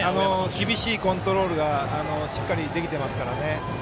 厳しいコントロールがしっかりできてますからね。